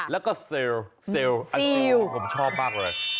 แล้วก็เซลล์อันเซลล์ผมชอบมากเลย